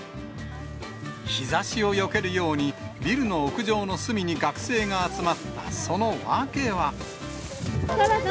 日ざしをよけるようにビルの屋上の隅に学生が集まったその訳は。